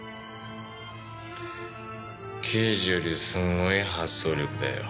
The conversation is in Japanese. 刑事よりすんごい発想力だよ。